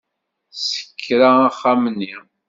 Tessekra axxam-nni.